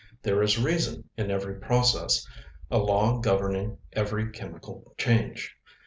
There is reason in every process; a law governing every chemical change.